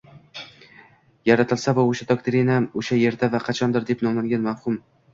yaratilsa va o‘sha doktrina “o‘sha yerda” va “qachondir” deb nomlangan mavhum